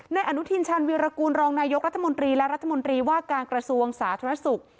อนุทินชาญวิรากูลรองนายกรัฐมนตรีและรัฐมนตรีว่าการกระทรวงสาธารณสุข